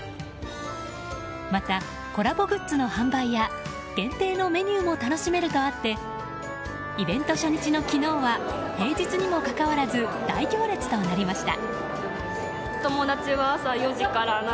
またコラボグッズの販売や限定のメニューも楽しめるとあってイベント初日の昨日は平日にもかかわらず大行列となりました。